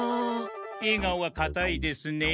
えがおがかたいですね。